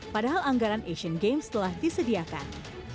padahal anggaran asian games telah disediakan